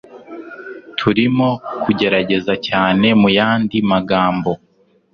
Turimo kugerageza cyane muyandi magambo